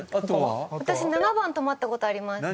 私７番泊まったことあります。